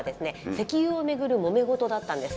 石油を巡るもめ事だったんです。